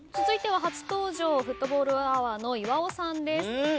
続いては初登場フットボールアワーの岩尾さんです。